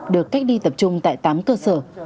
được cách đi tập trung tại tám cơ sở